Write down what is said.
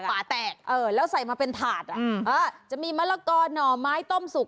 ป่าแตกเออแล้วใส่มาเป็นถาดอ่ะเออจะมีมะละกอหน่อไม้ต้มสุก